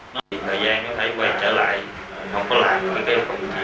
nói về thời gian nó thấy quay trở lại không có lại những cái công việc